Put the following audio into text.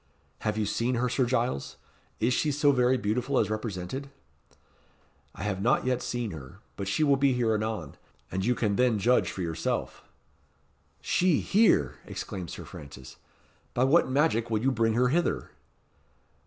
"Have you seen her, Sir Giles? Is she so very beautiful as represented?" "I have not yet seen her; but she will be here anon. And you can then judge for yourself." "She here!" exclaimed Sir Francis. "By what magic will you bring her hither?"